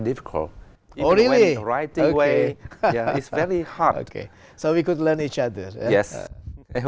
hoặc khó khăn cho anh